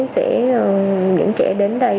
sẽ những trẻ đến đây